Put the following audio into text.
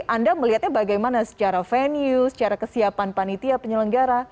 anda melihatnya bagaimana secara venue secara kesiapan panitia penyelenggara